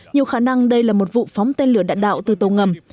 nhiều khả năng đây là một vụ phóng tên lửa đạn đạo từ tàu ngầm